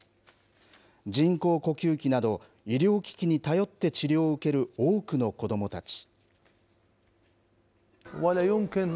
人工呼吸器など医療機器に頼って治療を受ける多くの子どもたち。